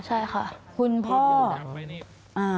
ใช่ค่ะ